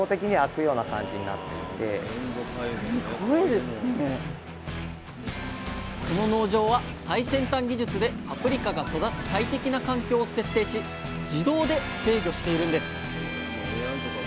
だからこの農場は最先端技術でパプリカが育つ最適な環境を設定し自動で制御しているんです。